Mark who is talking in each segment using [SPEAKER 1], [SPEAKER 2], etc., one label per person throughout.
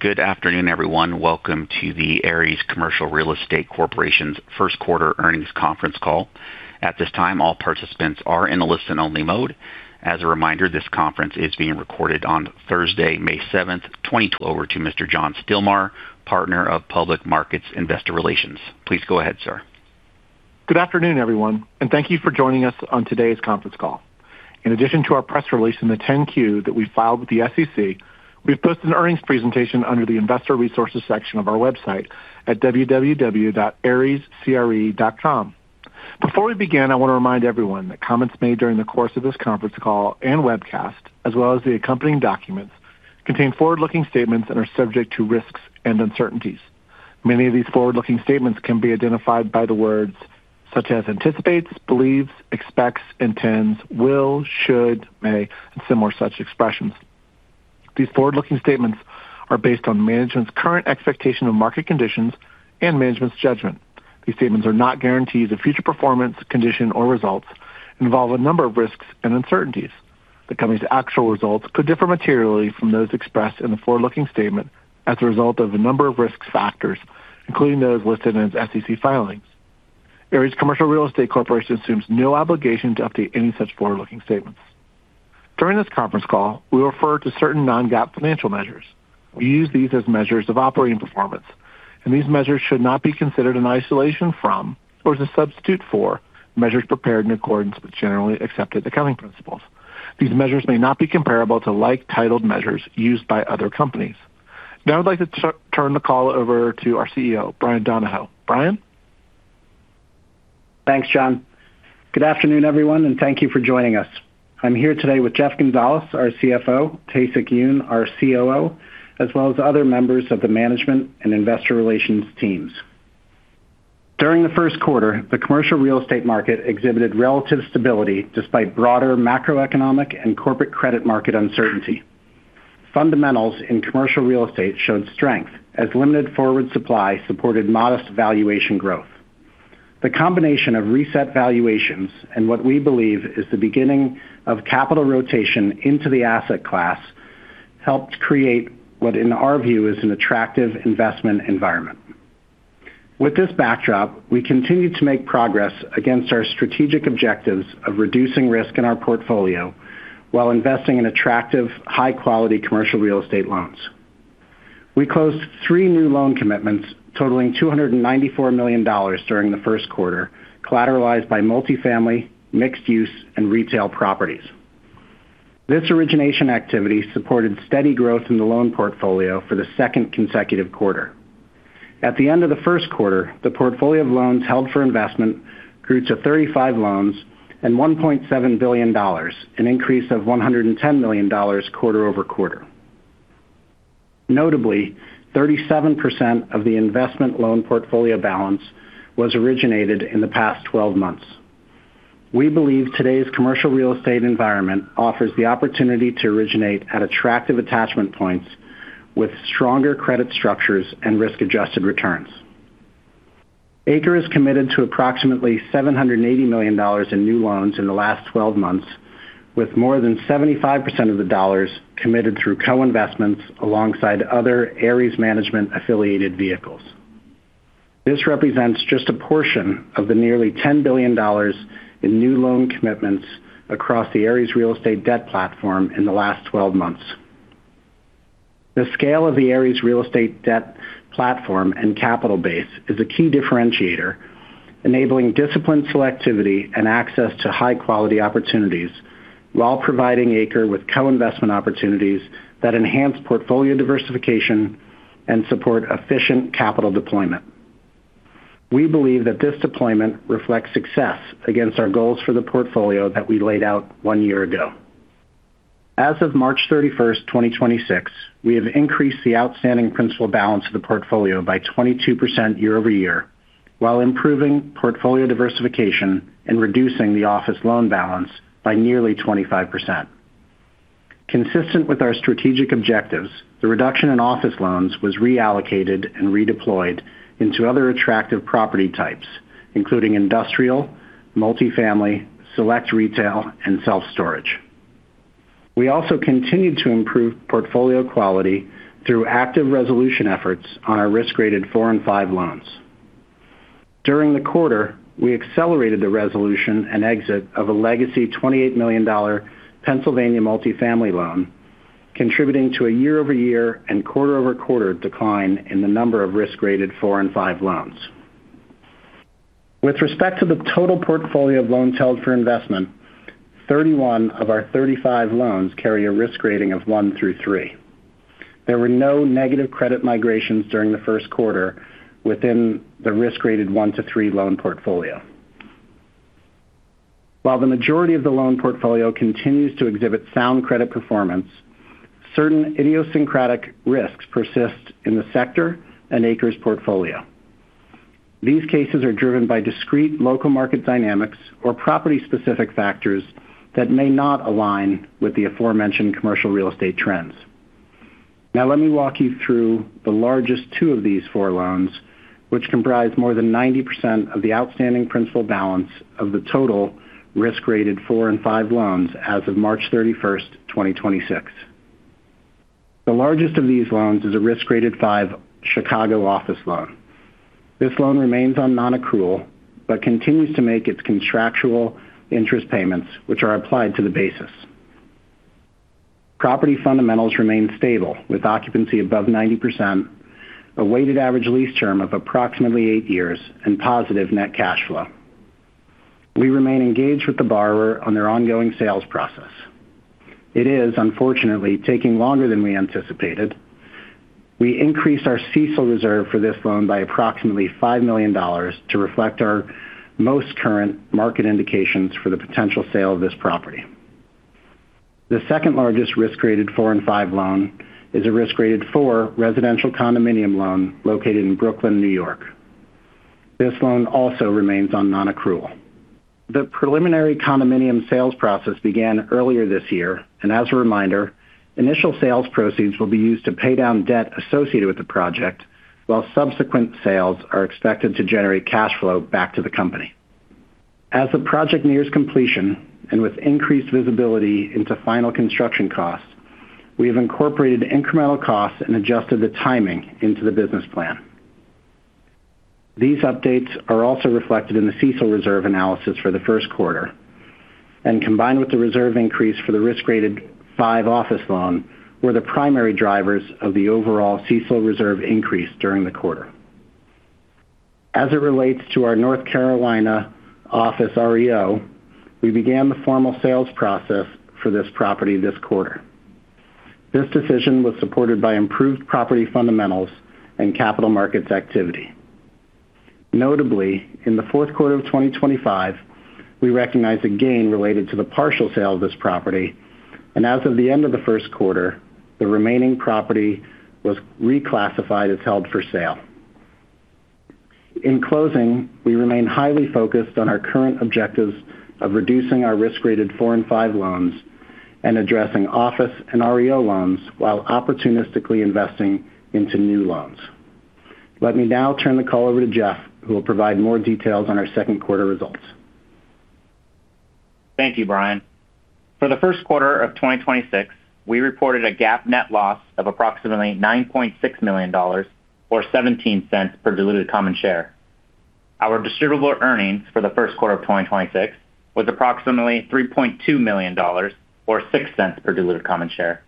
[SPEAKER 1] Good afternoon, everyone. Welcome to the Ares Commercial Real Estate Corporation's first quarter earnings conference call. At this time, all participants are in a listen-only mode. As a reminder, this conference is being recorded on Thursday, May 7th. Over to Mr. John Stilmar, Partner of Public Markets Investor Relations. Please go ahead, sir.
[SPEAKER 2] Good afternoon, everyone, and thank you for joining us on today's conference call. In addition to our press release in the 10-Q that we filed with the SEC, we've posted an earnings presentation under the investor resources section of our website at www.arescre.com. Before we begin, I want to remind everyone that comments made during the course of this conference call and webcast, as well as the accompanying documents, contain forward-looking statements and are subject to risks and uncertainties. Many of these forward-looking statements can be identified by the words such as anticipates, believes, expects, intends, will, should, may, and similar such expressions. These forward-looking statements are based on management's current expectation of market conditions and management's judgment. These statements are not guarantees of future performance, condition, or results and involve a number of risks and uncertainties. The company's actual results could differ materially from those expressed in the forward-looking statement as a result of a number of risk factors, including those listed in its SEC filings. Ares Commercial Real Estate Corporation assumes no obligation to update any such forward-looking statements. During this conference call, we refer to certain non-GAAP financial measures. We use these as measures of operating performance, and these measures should not be considered in isolation from or as a substitute for measures prepared in accordance with generally accepted accounting principles. These measures may not be comparable to like-titled measures used by other companies. Now I'd like to turn the call over to our CEO, Bryan Donohoe. Bryan?
[SPEAKER 3] Thanks, John. Good afternoon, everyone, and thank you for joining us. I'm here today with Jeff Gonzales, our CFO, Tae-Sik Yoon, our COO, as well as other members of the management and investor relations teams. During the first quarter, the commercial real estate market exhibited relative stability despite broader macroeconomic and corporate credit market uncertainty. Fundamentals in commercial real estate showed strength as limited forward supply supported modest valuation growth. The combination of reset valuations and what we believe is the beginning of capital rotation into the asset class helped create what in our view is an attractive investment environment. With this backdrop, we continue to make progress against our strategic objectives of reducing risk in our portfolio while investing in attractive, high-quality commercial real estate loans. We closed three new loan commitments totaling $294 million during the first quarter, collateralized by multifamily, mixed-use, and retail properties. This origination activity supported steady growth in the loan portfolio for the second consecutive quarter. At the end of the first quarter, the portfolio of loans held for investment grew to 35 loans and $1.7 billion, an increase of $110 million quarter-over-quarter. Notably, 37% of the investment loan portfolio balance was originated in the past 12 months. We believe today's commercial real estate environment offers the opportunity to originate at attractive attachment points with stronger credit structures and risk-adjusted returns. ACRE is committed to approximately $780 million in new loans in the last 12 months, with more than 75% of the dollars committed through co-investments alongside other Ares Management-affiliated vehicles. This represents just a portion of the nearly $10 billion in new loan commitments across the Ares real estate debt platform in the last 12 months. The scale of the Ares real estate debt platform and capital base is a key differentiator, enabling disciplined selectivity and access to high-quality opportunities while providing ACRE with co-investment opportunities that enhance portfolio diversification and support efficient capital deployment. We believe that this deployment reflects success against our goals for the portfolio that we laid out one year ago. As of March 31, 2026, we have increased the outstanding principal balance of the portfolio by 22% year-over-year, while improving portfolio diversification and reducing the office loan balance by nearly 25%. Consistent with our strategic objectives, the reduction in office loans was reallocated and redeployed into other attractive property types, including industrial, multifamily, select retail, and self-storage. We also continued to improve portfolio quality through active resolution efforts on our risk-graded four and five loans. During the quarter, we accelerated the resolution and exit of a legacy $28 million Pennsylvania multifamily loan, contributing to a year-over-year and quarter-over-quarter decline in the number of risk-graded four and five loans. With respect to the total portfolio of loans held for investment, 31 of our 35 loans carry a risk rating of one through three. There were no negative credit migrations during the first quarter within the risk-graded one to three loan portfolio. While the majority of the loan portfolio continues to exhibit sound credit performance, certain idiosyncratic risks persist in the sector and ACRE's portfolio. These cases are driven by discrete local market dynamics or property-specific factors that may not align with the aforementioned commercial real estate trends. Let me walk you through the largest two of these four loans, which comprise more than 90% of the outstanding principal balance of the total risk-rated 4 and 5 loans as of March 31st, 2026. The largest of these loans is a risk-rated 5 Chicago office loan. This loan remains on nonaccrual, continues to make its contractual interest payments, which are applied to the basis. Property fundamentals remain stable, with occupancy above 90%, a weighted average lease term of approximately eight years, and positive net cash flow. We remain engaged with the borrower on their ongoing sales process. It is, unfortunately, taking longer than we anticipated. We increased our CECL reserve for this loan by approximately $5 million to reflect our most current market indications for the potential sale of this property. The second-largest risk-rated 4 and 5 loan is a risk-rated 4 residential condominium loan located in Brooklyn, N.Y. This loan also remains on nonaccrual. The preliminary condominium sales process began earlier this year, and as a reminder, initial sales proceeds will be used to pay down debt associated with the project, while subsequent sales are expected to generate cash flow back to the company. As the project nears completion, and with increased visibility into final construction costs, we have incorporated incremental costs and adjusted the timing into the business plan. These updates are also reflected in the CECL reserve analysis for the first quarter, and combined with the reserve increase for the risk-rated 5 office loan, were the primary drivers of the overall CECL reserve increase during the quarter. As it relates to our North Carolina office REO, we began the formal sales process for this property this quarter. This decision was supported by improved property fundamentals and capital markets activity. Notably, in the fourth quarter of 2025, we recognized a gain related to the partial sale of this property, and as of the end of the 1st quarter, the remaining property was reclassified as held for sale. In closing, we remain highly focused on our current objectives of reducing our risk-rated 4 and 5 loans and addressing office and REO loans while opportunistically investing into new loans. Let me now turn the call over to Jeff, who will provide more details on our second quarter results.
[SPEAKER 4] Thank you, Bryan. For the first quarter of 2026, we reported a GAAP net loss of approximately $9.6 million or $0.17 per diluted common share. Our distributable earnings for the first quarter of 2026 was approximately $3.2 million, or $0.06 per diluted common share.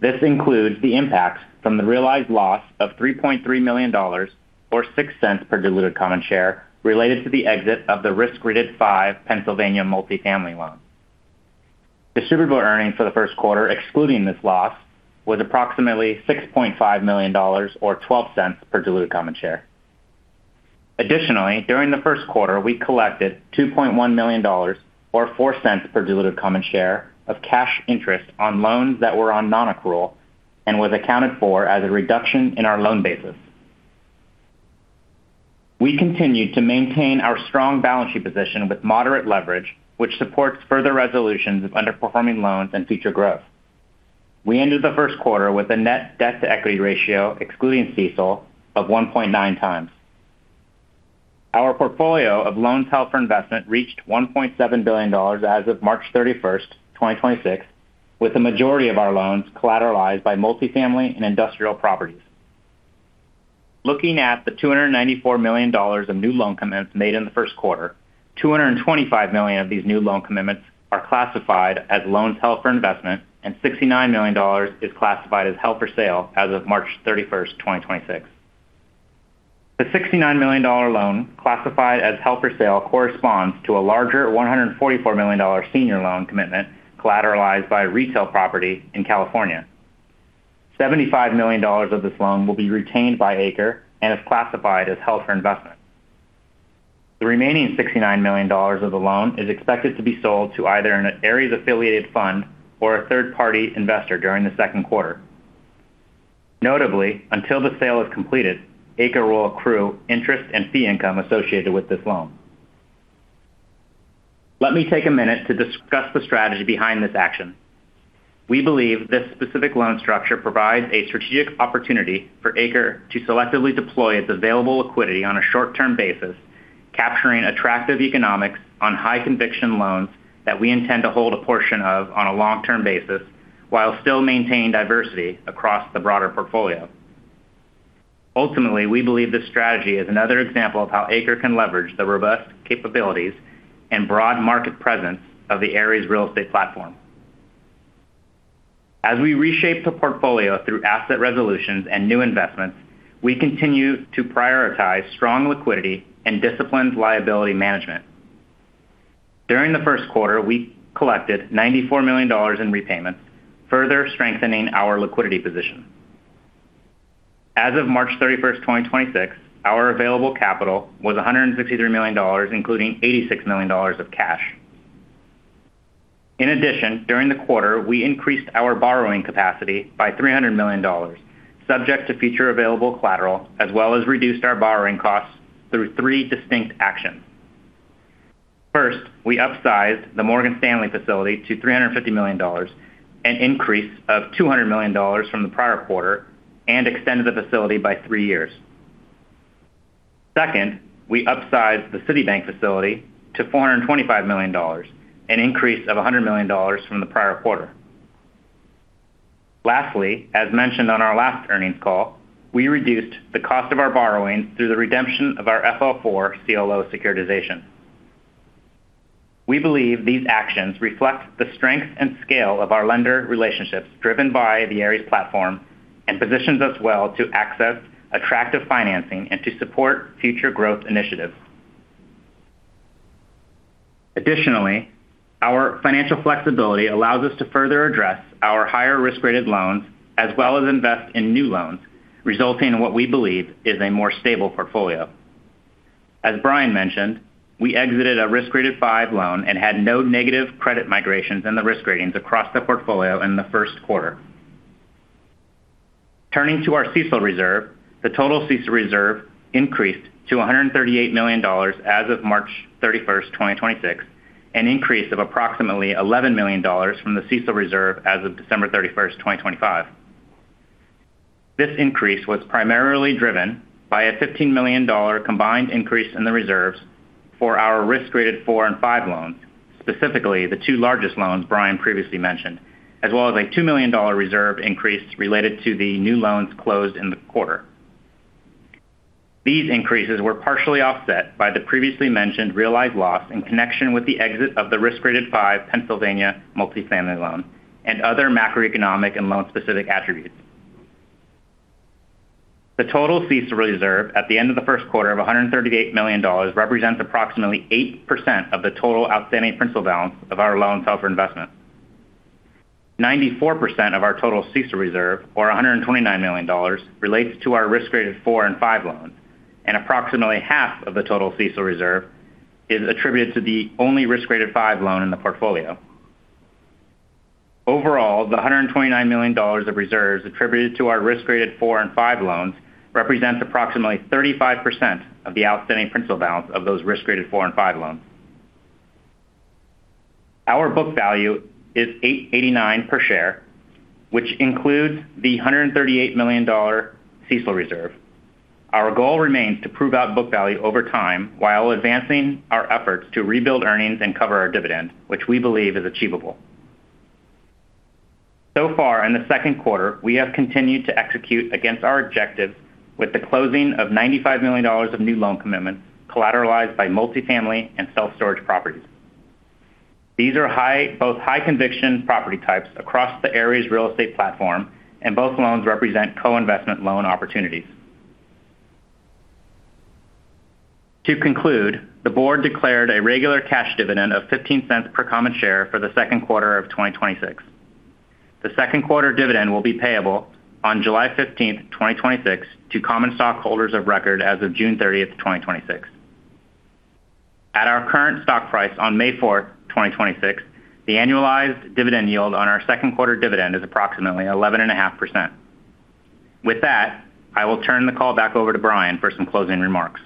[SPEAKER 4] This includes the impact from the realized loss of $3.3 million, or $0.06 per diluted common share, related to the exit of the risk-rated 5 Pennsylvania multifamily loan. Distributable earnings for the first quarter, excluding this loss, was approximately $6.5 million or $0.12 per diluted common share. Additionally, during the first quarter, we collected $2.1 million, or $0.04 per diluted common share of cash interest on loans that were on nonaccrual and was accounted for as a reduction in our loan basis. We continued to maintain our strong balance sheet position with moderate leverage, which supports further resolutions of underperforming loans and future growth. We ended the first quarter with a net debt-to-equity ratio, excluding CECL, of 1.9x. Our portfolio of loans held for investment reached $1.7 billion as of March 31st, 2026, with the majority of our loans collateralized by multifamily and industrial properties. Looking at the $294 million of new loan commitments made in the first quarter, $225 million of these new loan commitments are classified as loans held for investment, and $69 million is classified as held for sale as of March 31st, 2026. The $69 million loan classified as held for sale corresponds to a larger $144 million senior loan commitment collateralized by retail property in California. $75 million of this loan will be retained by ACRE and is classified as held for investment. The remaining $69 million of the loan is expected to be sold to either an Ares-affiliated fund or a third-party investor during the second quarter. Notably, until the sale is completed, ACRE will accrue interest and fee income associated with this loan. Let me take a minute to discuss the strategy behind this action. We believe this specific loan structure provides a strategic opportunity for ACRE to selectively deploy its available liquidity on a short-term basis, capturing attractive economics on high-conviction loans that we intend to hold a portion of on a long-term basis while still maintaining diversity across the broader portfolio. We believe this strategy is another example of how ACRE can leverage the robust capabilities and broad market presence of the Ares real estate platform. As we reshape the portfolio through asset resolutions and new investments, we continue to prioritize strong liquidity and disciplined liability management. During the first quarter, we collected $94 million in repayments, further strengthening our liquidity position. As of March 31st, 2026, our available capital was $163 million, including $86 million of cash. In addition, during the quarter, we increased our borrowing capacity by $300 million, subject to future available collateral, as well as reduced our borrowing costs through three distinct actions. We upsized the Morgan Stanley facility to $350 million, an increase of $200 million from the prior quarter, and extended the facility by three years. Second, we upsized the Citibank facility to $425 million, an increase of $100 million from the prior quarter. Lastly, as mentioned on our last earnings call, we reduced the cost of our borrowing through the redemption of our FL4 CLO securitization. We believe these actions reflect the strength and scale of our lender relationships driven by the Ares platform and positions us well to access attractive financing and to support future growth initiatives. Additionally, our financial flexibility allows us to further address our higher risk-rated loans as well as invest in new loans, resulting in what we believe is a more stable portfolio. As Bryan mentioned, we exited a risk-rated 5 loan and had no negative credit migrations in the risk ratings across the portfolio in the first quarter. Turning to our CECL reserve, the total CECL reserve increased to $138 million as of March 31st, 2026, an increase of approximately $11 million from the CECL reserve as of December 31st, 2025. This increase was primarily driven by a $15 million combined increase in the reserves for our risk-rated 4 and 5 loans, specifically the two largest loans Bryan previously mentioned, as well as a $2 million reserve increase related to the new loans closed in the quarter. These increases were partially offset by the previously mentioned realized loss in connection with the exit of the risk-rated 5 Pennsylvania multifamily loan and other macroeconomic and loan-specific attributes. The total CECL reserve at the end of the first quarter of $138 million represents approximately 8% of the total outstanding principal balance of our loans held for investment. 94% of our total CECL reserve, or $129 million, relates to our risk-rated 4 and 5 loans. Approximately half of the total CECL reserve is attributed to the only risk-rated 5 loan in the portfolio. Overall, the $129 million of reserves attributed to our risk-rated 4 and 5 loans represents approximately 35% of the outstanding principal balance of those risk-rated 4 and 5 loans. Our book value is $8.89 per share, which includes the $138 million CECL reserve. Our goal remains to prove out book value over time while advancing our efforts to rebuild earnings and cover our dividend, which we believe is achievable. Far in the second quarter, we have continued to execute against our objectives with the closing of $95 million of new loan commitments collateralized by multifamily and self-storage properties. These are both high conviction property types across the Ares real estate debt platform, and both loans represent co-investment loan opportunities. To conclude, the board declared a regular cash dividend of $0.15 per common share for the second quarter of 2026. The second quarter dividend will be payable on July 15th, 2026 to common stockholders of record as of June 30th, 2026. At our current stock price on May 4th, 2026, the annualized dividend yield on our second quarter dividend is approximately 11.5%. With that, I will turn the call back over to Bryan Donohoe for some closing remarks.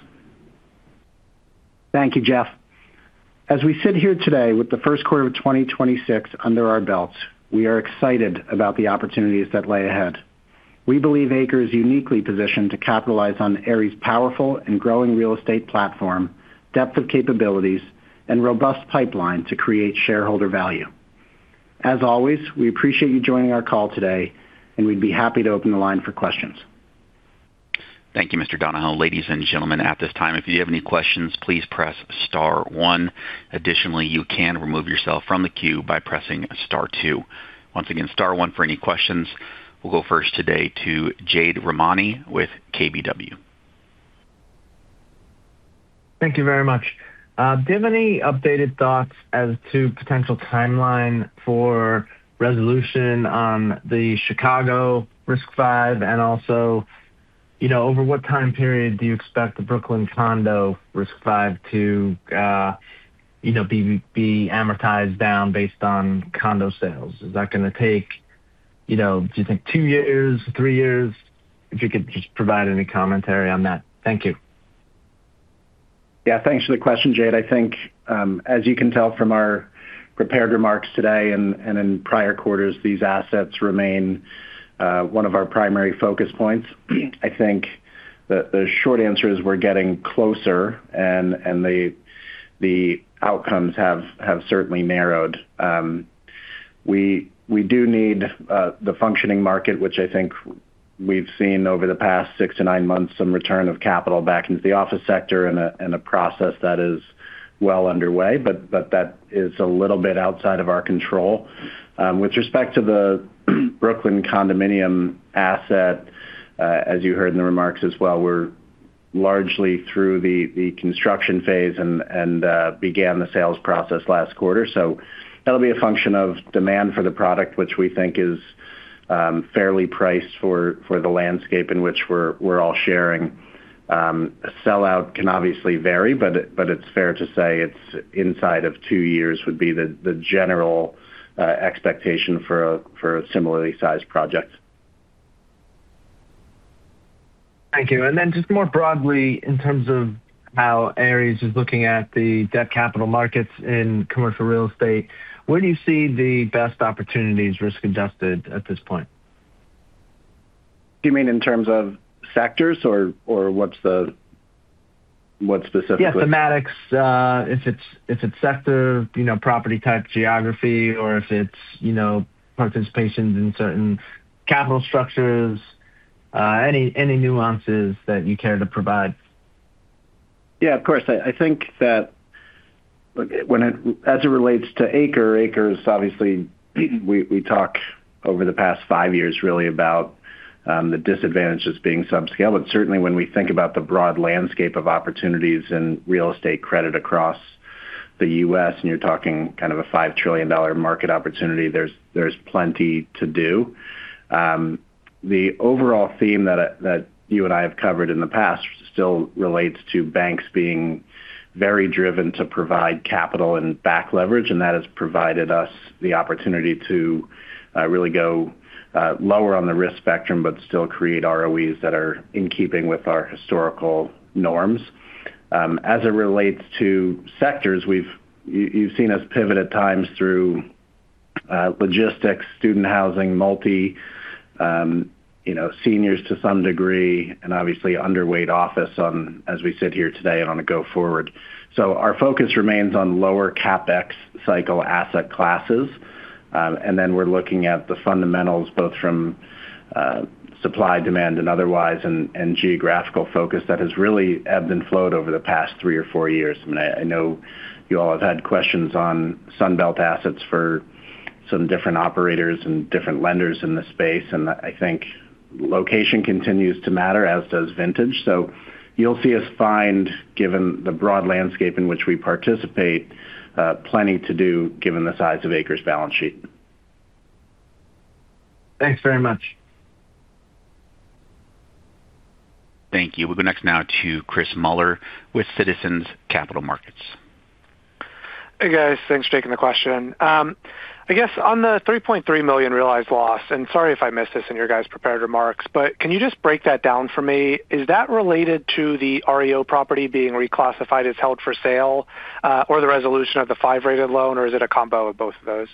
[SPEAKER 3] Thank you, Jeff. As we sit here today with the first quarter of 2026 under our belts, we are excited about the opportunities that lie ahead. We believe ACRE is uniquely positioned to capitalize on Ares' powerful and growing real estate platform, depth of capabilities, and robust pipeline to create shareholder value. As always, we appreciate you joining our call today, and we'd be happy to open the line for questions.
[SPEAKER 1] Thank you, Mr. Donohoe. Ladies and gentlemen, at this time, if you have any questions, please press star one. Additionally, you can remove yourself from the queue by pressing star two. Once again, star one for any questions. We'll go first today to Jade Rahmani with KBW.
[SPEAKER 5] Thank you very much. Do you have any updated thoughts as to potential timeline for resolution on the Chicago risk 5 and also, you know, over what time period do you expect the Brooklyn condo risk 5 to be amortized down based on condo sales? Is that gonna take, you know, do you think two years, three years? If you could just provide any commentary on that. Thank you.
[SPEAKER 3] Yeah. Thanks for the question, Jade. I think, as you can tell from our prepared remarks today and in prior quarters, these assets remain one of our primary focus points. I think the short answer is we're getting closer and the outcomes have certainly narrowed. We do need the functioning market, which I think we've seen over the past six to nine months some return of capital back into the office sector and a process that is well underway, but that is a little bit outside of our control. With respect to the Brooklyn condominium asset, as you heard in the remarks as well, we're largely through the construction phase and began the sales process last quarter. That'll be a function of demand for the product which we think is fairly priced for the landscape in which we're all sharing. A sellout can obviously vary, but it's fair to say it's inside of two years would be the general expectation for a similarly sized project.
[SPEAKER 5] Thank you. Just more broadly, in terms of how Ares is looking at the debt capital markets in commercial real estate, where do you see the best opportunities risk-adjusted at this point?
[SPEAKER 3] Do you mean in terms of sectors or what specifically?
[SPEAKER 5] Yeah, thematics, if it's sector, you know, property type geography or if it's, you know, participations in certain capital structures, any nuances that you care to provide.
[SPEAKER 3] Yeah, of course. I think that as it relates to ACRE's obviously we talk over the past five years really about the disadvantages being subscale. Certainly when we think about the broad landscape of opportunities and real estate credit across the U.S., and you're talking kind of a $5 trillion market opportunity, there's plenty to do. The overall theme that you and I have covered in the past still relates to banks being very driven to provide capital and back leverage, and that has provided us the opportunity to really go lower on the risk spectrum, but still create ROEs that are in keeping with our historical norms. As it relates to sectors, you've seen us pivot at times through logistics, student housing, multi, you know, seniors to some degree, and obviously underweight office on as we sit here today on a go forward. Our focus remains on lower CapEx cycle asset classes. We're looking at the fundamentals both from supply, demand and otherwise and geographical focus that has really ebbed and flowed over the past three or four years. I know you all have had questions on Sunbelt assets for some different operators and different lenders in the space, and I think location continues to matter as does vintage. You'll see us find, given the broad landscape in which we participate, plenty to do given the size of ACRE's balance sheet.
[SPEAKER 5] Thanks very much.
[SPEAKER 1] Thank you. We'll go next now to Chris Muller with Citizens Capital Markets.
[SPEAKER 6] Hey, guys. Thanks for taking the question. I guess on the $3.3 million realized loss, and sorry if I missed this in your guys' prepared remarks, but can you just break that down for me? Is that related to the REO property being reclassified as held for sale, or the resolution of the 5 rated loan, or is it a combo of both of those?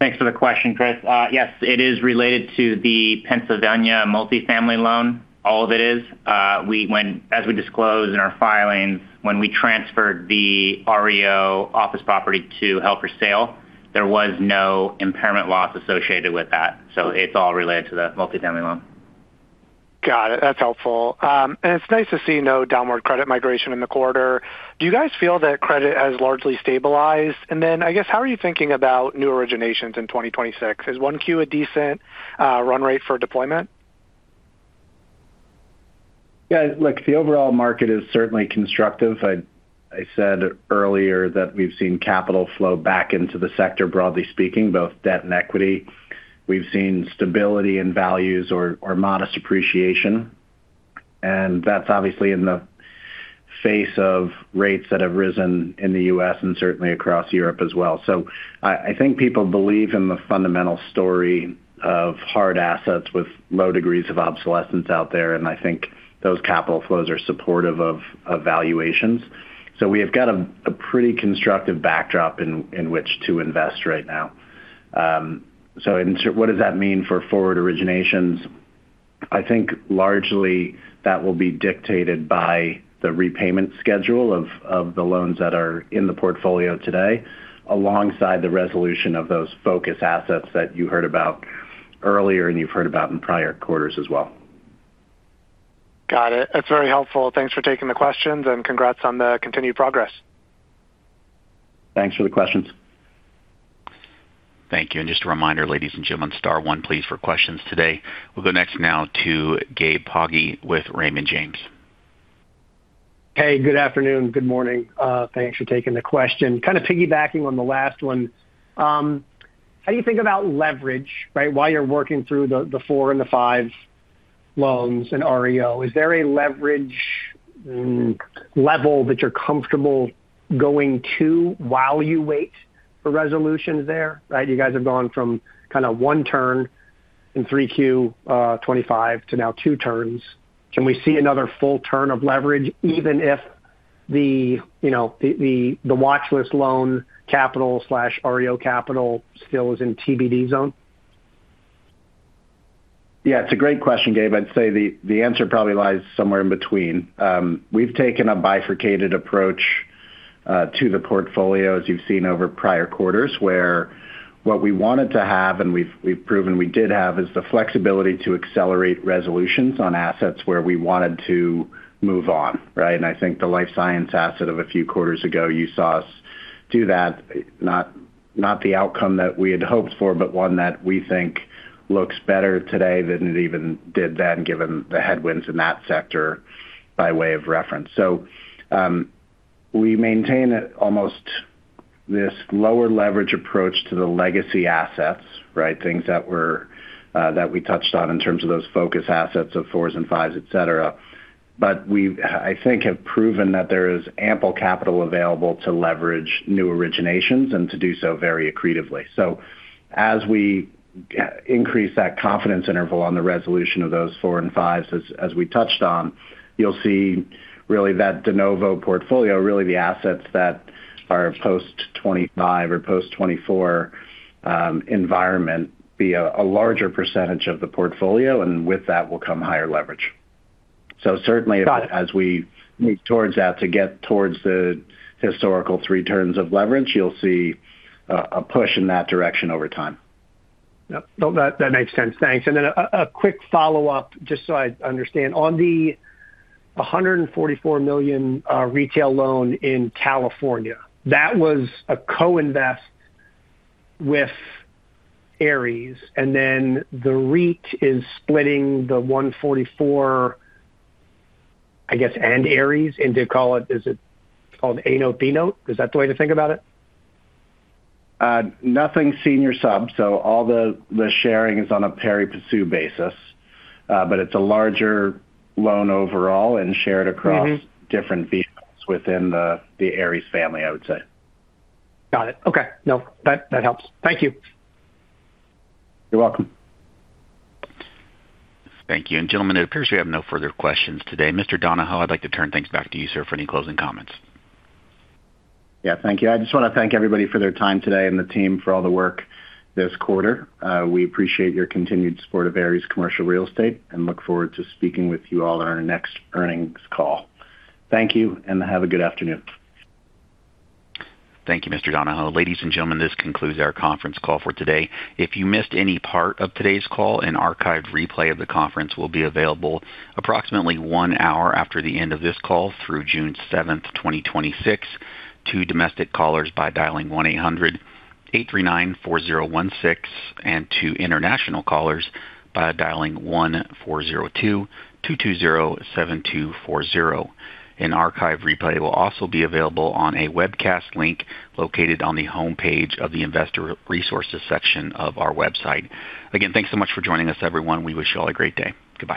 [SPEAKER 3] Thanks for the question, Chris. Yes, it is related to the Pennsylvania multifamily loan. All of it is. As we disclose in our filings, when we transferred the REO office property to held for sale, there was no impairment loss associated with that. It's all related to the multifamily loan.
[SPEAKER 6] Got it. That's helpful. It's nice to see no downward credit migration in the quarter. Do you guys feel that credit has largely stabilized? Then, I guess, how are you thinking about new originations in 2026? Is 1Q a decent run rate for deployment?
[SPEAKER 3] Yeah, look, the overall market is certainly constructive. I said earlier that we've seen capital flow back into the sector, broadly speaking, both debt and equity. We've seen stability in values or modest appreciation, and that's obviously in the face of rates that have risen in the U.S. and certainly across Europe as well. I think people believe in the fundamental story of hard assets with low degrees of obsolescence out there, and I think those capital flows are supportive of valuations. We have got a pretty constructive backdrop in which to invest right now. What does that mean for forward originations? I think largely that will be dictated by the repayment schedule of the loans that are in the portfolio today, alongside the resolution of those focus assets that you heard about earlier and you've heard about in prior quarters as well.
[SPEAKER 6] Got it. That's very helpful. Thanks for taking the questions, and congrats on the continued progress.
[SPEAKER 3] Thanks for the questions.
[SPEAKER 1] Thank you. Just a reminder, ladies and gentlemen, star one please for questions today. We'll go next now to Gabe Poggi with Raymond James.
[SPEAKER 7] Hey, good afternoon. Good morning. Thanks for taking the question. Kind of piggybacking on the last one, how do you think about leverage, right, while you're working through the 4 and the 5 loans in REO? Is there a leverage level that you're comfortable going to while you wait for resolutions there, right? You guys have gone from kinda one turn in 3Q 2025 to now two turns. Can we see another full turn of leverage even if you know, the watchlist loan capital/REO capital still is in TBD zone?
[SPEAKER 3] Yeah, it's a great question, Gabe. I'd say the answer probably lies somewhere in between. we've taken a bifurcated approach to the portfolio, as you've seen over prior quarters, where what we wanted to have and we've proven we did have, is the flexibility to accelerate resolutions on assets where we wanted to move on, right? I think the life science asset of a few quarters ago, you saw us do that, not the outcome that we had hoped for, but one that we think looks better today than it even did then, given the headwinds in that sector by way of reference. we maintain almost this lower leverage approach to the legacy assets, right? Things that were, that we touched on in terms of those focus assets of 4s and 5s, et cetera. We've, I think, have proven that there is ample capital available to leverage new originations and to do so very accretively. As we increase that confidence interval on the resolution of those 4s and 5s as we touched on, you'll see really that de novo portfolio, really the assets that are post 2025 or post 2024, environment be a larger percentage of the portfolio, and with that will come higher leverage. Certainly.
[SPEAKER 7] Got it.
[SPEAKER 3] as we move towards that to get towards the historical three turns of leverage, you'll see a push in that direction over time.
[SPEAKER 7] Yep. No, that makes sense. Thanks. A quick follow-up just so I understand. On the $144 million retail loan in California, that was a co-invest with Ares, and then the REIT is splitting the $144, I guess, and Ares, and they call it Is it called A note B note? Is that the way to think about it?
[SPEAKER 3] Nothing senior sub. All the sharing is on a pari passu basis but it loan overall and shared across different vehicles within the Ares family, I would say.
[SPEAKER 7] Got it. Okay. No, that helps. Thank you.
[SPEAKER 3] You're welcome.
[SPEAKER 1] Thank you. Gentlemen, it appears we have no further questions today. Mr. Donohoe, I'd like to turn things back to you, sir, for any closing comments.
[SPEAKER 3] Yeah, thank you. I just wanna thank everybody for their time today and the team for all the work this quarter. We appreciate your continued support of Ares Commercial Real Estate and look forward to speaking with you all on our next earnings call. Thank you. Have a good afternoon.
[SPEAKER 1] Thank you, Mr. Donohoe. Ladies and gentlemen, this concludes our conference call for today. If you missed any part of today's call, an archived replay of the conference will be available approximately one hour after the end of this call through June 7th, 2026 to domestic callers by dialing 1-800-839-4016, and to international callers by dialing 1-402-220-7240. An archive replay will also be available on a webcast link located on the homepage of the investor resources section of our website. Again, thanks so much for joining us, everyone. We wish you all a great day. Goodbye.